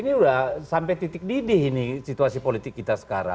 ini udah sampai titik didih ini situasi politik kita sekarang